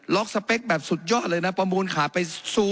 สเปคแบบสุดยอดเลยนะประมูลขาดไป